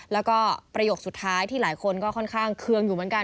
แล้วก็ประโยคสุดท้ายที่หลายคนก็ค่อนข้างเคืองอยู่เหมือนกัน